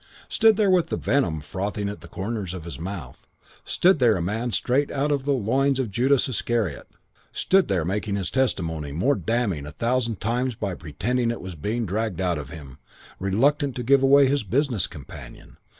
Stood there with the venom frothing at the corners of his mouth, stood there a man straight out of the loins of Judas Iscariot, stood there making his testimony more damning a thousand times by pretending it was being dragged out of him, reluctant to give away his business companion.